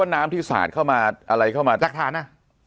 น้ำที่สาดเข้ามาอะไรเข้ามาจากฐานอ่ะ